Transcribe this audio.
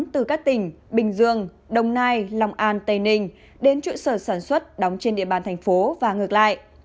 từ các tỉnh bình dương đồng nai lòng an tây ninh đến trụ sở sản xuất đóng trên địa bàn thành phố và ngược lại